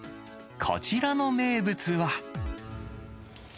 こちらの名物は。